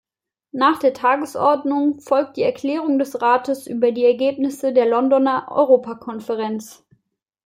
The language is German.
Nach der Tagesordnung folgt die Erklärung des Rates über die Ergebnisse der Londoner Europa-Konferenz.